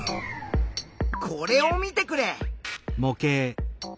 これを見てくれ。